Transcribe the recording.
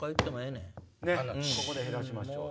ねっここで減らしましょう。